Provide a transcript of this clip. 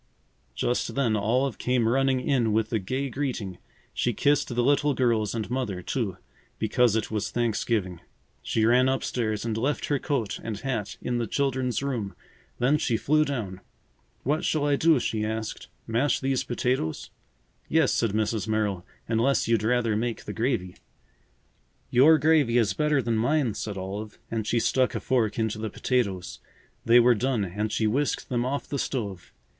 Just then Olive came running in with a gay greeting. She kissed the little girls and Mother, too, because it was Thanksgiving. She ran up stairs and left her coat and hat in the children's room. Then she flew down. "What shall I do?" she asked. "Mash these potatoes?" "Yes," said Mrs. Merrill. "Unless you'd rather make the gravy." "Your gravy is better than mine," said Olive and she stuck a fork into the potatoes. They were done and she whisked them off the stove.